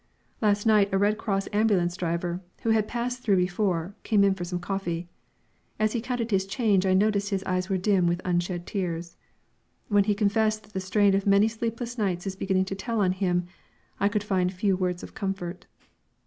Last night a Red Cross ambulance driver, who had passed through before, came in for some coffee. As he counted his change I noted his eyes were dim with unshed tears. When he confessed that the strain of many sleepless nights is beginning to tell on him, I could find few words of comfort.